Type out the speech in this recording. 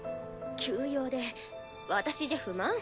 急用で私じゃ不満？